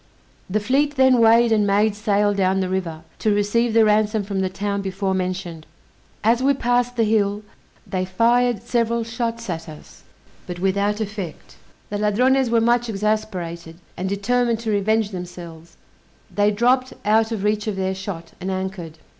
The fleet then weighed and made sail down the river, to receive the ransom from the town before mentioned. As we passed the hill, they fired several shots at us, but without effect. The Ladrones were much exasperated, and determined to revenge themselves; they dropped out of reach of their shot, and anchored.